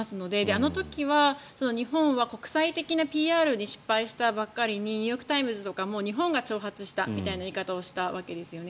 あの時は日本は国際的なＰＲに失敗したばかりにニューヨーク・タイムズとか日本が挑発したみたいな言い方もしたわけですよね。